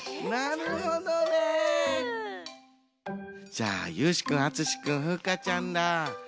じゃあゆうしくん・あつしくん・ふうかちゃんら。